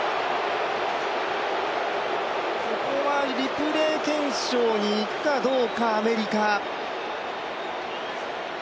ここはリプレー検証にいくかどうか、アメリカ。